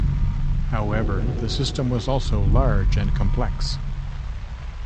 However, the system was also large and complex.